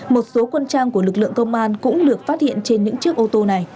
một số quân trang của lực lượng công an cũng được phát hiện trên những chiếc ô tô này